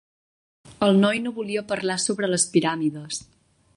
El noi no volia parlar sobre les piràmides.